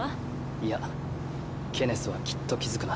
いやケネスはきっと気付くな。